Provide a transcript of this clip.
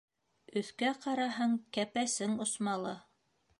Өҫкә ҡараһаң, кәпәсең осмалы.